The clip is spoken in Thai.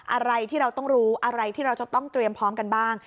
อะไรที่เราต้องรู้อะไรที่เราจะต้องเตรียมพร้อมกันบ้าง